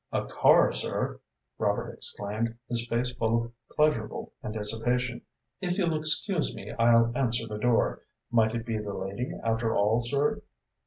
"A car, sir!" Robert exclaimed, his face full of pleasurable anticipation. "If you'll excuse me, I'll answer the door. Might it be the lady, after all, sir?"